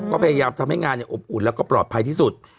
ก็พยายามทำให้งานอบอุ่นแล้วก็ปลอดภัยที่สุด